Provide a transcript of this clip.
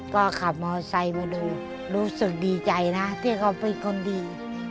ก็ขับมอไซค์มาดูรู้สึกดีใจนะที่เขาเป็นคนดี